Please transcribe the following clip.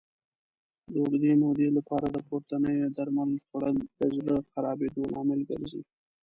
د اوږدې مودې لپاره د پورتنیو درملو خوړل د زړه خرابېدو لامل ګرځي.